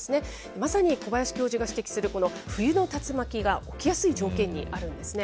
まさに小林教授が指摘する、この冬の竜巻が起きやすい条件にあるんですね。